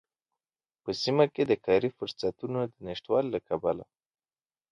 په سيمه کې د کاری فرصوتونو د نشتوالي له کبله